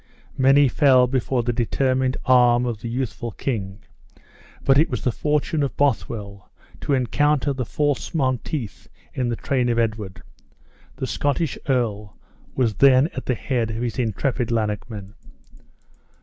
Many fell before the determined arm of the youthful king; but it was the fortune of Bothwell to encounter the false Monteith in the train of Edward. The Scottish earl was then at the head of his intrepid Lanarkmen.